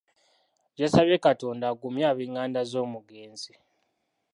Yasabye Katonda agumye ab'enganda z'omugenzi.